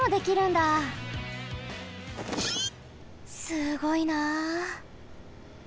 すごいな。